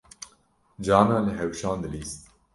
Carna li hewşan dilîst